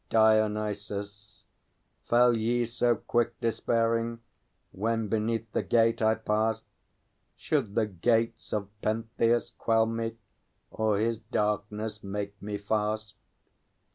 DIONYSUS. Fell ye so quick despairing, when beneath the Gate I passed? Should the gates of Pentheus quell me, or his darkness make me fast?